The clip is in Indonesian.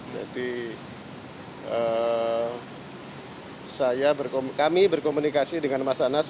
jadi kami berkomunikasi dengan mas anas